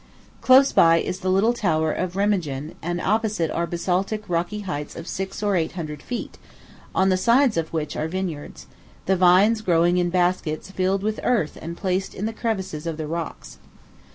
Close by is the little tower Of Remagen, and opposite are basaltic rocky heights of six or eight hundred feet, on the sides of which are vineyards the vines growing in baskets filled with earth and placed in the crevices of the rocks.